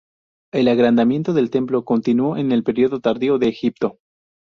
El agrandamiento del templo continuó en el periodo tardío de Egipto.